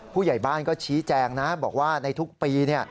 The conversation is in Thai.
ผู้ใหญ่บ้านก็ชี้แจงนะบอกว่าในทุกปี